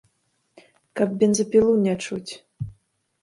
Каб бензапілу не чуць.